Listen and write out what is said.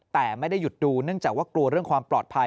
แต่ไม่ได้หยุดดูเนื่องจากว่ากลัวเรื่องความปลอดภัย